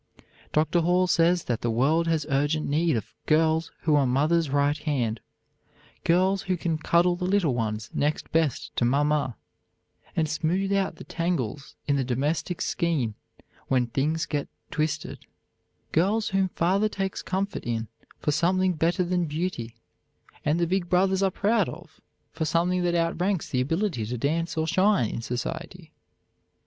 Dr. Hall says that the world has urgent need of "girls who are mother's right hand; girls who can cuddle the little ones next best to mamma, and smooth out the tangles in the domestic skein when thing's get twisted; girls whom father takes comfort in for something better than beauty, and the big brothers are proud of for something that outranks the ability to dance or shine in society.